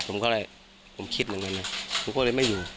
ผมก็เลยผมคิดหนึ่งหนึ่งผมก็เลยไม่อยู่